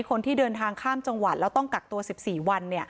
คนที่เดินทางข้ามจังหวัดแล้วต้องกักตัว๑๔วัน